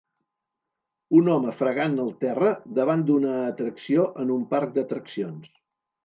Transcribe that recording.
Un home fregant el terra davant d'una atracció en un parc d'atraccions.